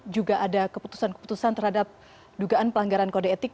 juga ada keputusan keputusan terhadap dugaan pelanggaran kode etik